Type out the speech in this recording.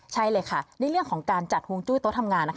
ใช่เลยค่ะในเรื่องของการจัดฮวงจุ้ยโต๊ะทำงาน